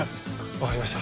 わかりました。